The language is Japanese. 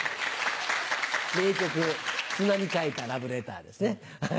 名曲『砂に書いたラブレター』ですね。